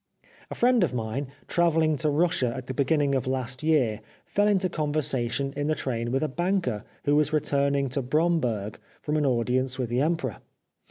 A friend of his, travelling to Russia at the beginning of last year, fell into conversa tion in the train with a banker who was re turning to Bromberg from an audience with the Emperor.